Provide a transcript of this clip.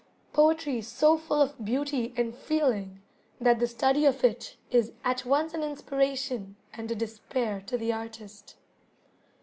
Poetry so full of beauty and feeling, that the study of it is at once an inspiration and a despair to the artist.